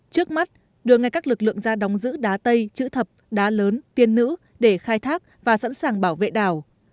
trước mắt đưa ngay các lực lượng ra đóng giữ đá tây chữ thập đá lớn tiên nữ để khai thác và sẵn sàng bảo vệ đảo